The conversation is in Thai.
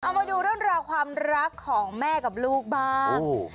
เอามาดูเรื่องราวความรักของแม่กับลูกบ้าง